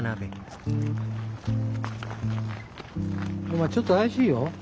お前ちょっと怪しいよ。